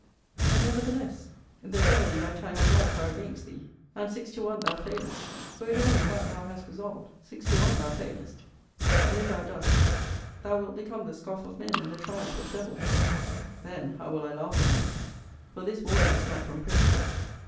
But, nevertheless, the devil and thy time of life are against thee: and six to one thou failest. Were it only that thou hast resolved, six to one thou failest. And if thou dost, thou wilt become the scoff of men, and the triumph of devils. Then how will I laugh at thee! For this warning is not from principle.